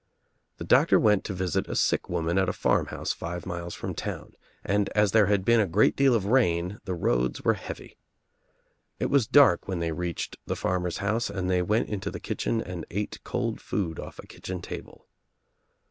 The doctor went to visit a sick woman at a farmhouse five miles from town and as there had been a great deal of rain the roads were heavy. It was dark when they reached the farmer's house and they went into the kitchen and ate cold food off a kitchen table.